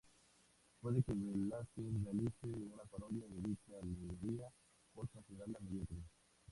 Puede que Velázquez realice una parodia de dicha alegoría, por considerarla mediocre.